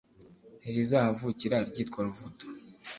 ntirizahavukira ryitwa ruvuta.